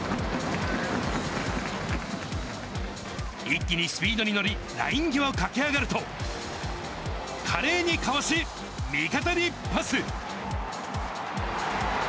一気にスピードに乗り、ライン際駆け上がると、華麗にかわし、味方にパス。